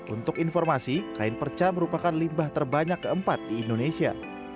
untuk informasi kain perca merupakan limbah terbanyak keempat di indonesia